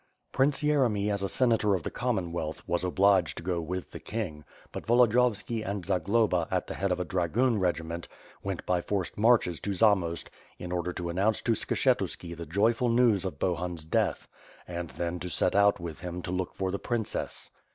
Prince Yeremy, as a senator of the Commonwealth was obliged to go with the king, but Volodiyovski and Zagloba at the head of a di:agoon regiment, went by forced marches to Zamost in order to announce to Skshetuski the joyful news of Bohun's death; and then to set out with him to look for the princess.